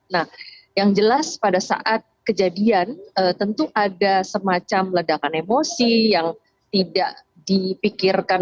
nah yang jelas pada saat kejadian tentu ada semacam ledakan emosi yang tidak dipikirkan